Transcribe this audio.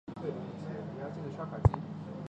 二列叶柃为山茶科柃木属下的一个种。